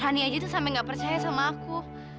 rani aja tuh sampe nggak percaya sama aku